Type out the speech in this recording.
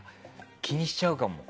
気にしちゃうかも。